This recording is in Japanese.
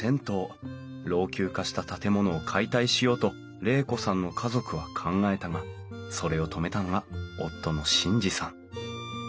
老朽化した建物を解体しようと玲子さんの家族は考えたがそれを止めたのが夫の眞二さん。